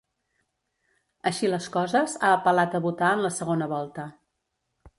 Així les coses, ha apel·lat a votar en la segona volta.